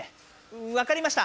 わかりました。